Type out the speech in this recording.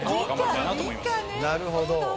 なるほど。